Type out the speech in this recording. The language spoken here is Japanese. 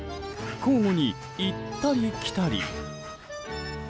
交互に行ったり来たり。